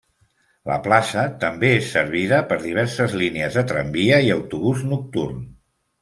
La plaça també és servida per diverses línies de tramvia i autobús nocturn.